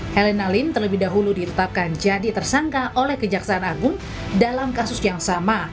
helena lim terlebih dahulu ditetapkan jadi tersangka oleh kejaksaan agung dalam kasus yang sama